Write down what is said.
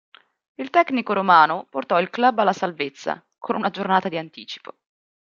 Il tecnico romano portò il club alla salvezza con una giornata di anticipo.